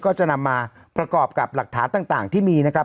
ก็จะนำมาประกอบกับหลักฐานต่างที่มีนะครับ